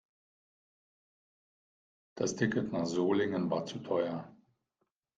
Das Ticket nach Solingen war zu teuer